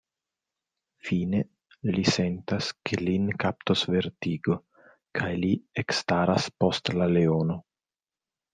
Fine li sentas, ke lin kaptos vertigo, kaj li ekstaras post la leono.